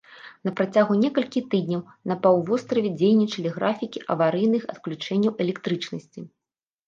На працягу некалькіх тыдняў на паўвостраве дзейнічалі графікі аварыйных адключэнняў электрычнасці.